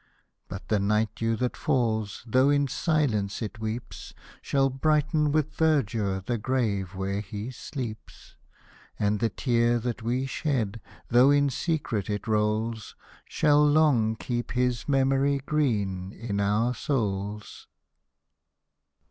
But the night dew that falls, though in silence it weeps, Shall brighten with verdure the grave where he sleeps ; And the tear that we shed, though in secret it rolls, Shall long keep his memory green in our souls.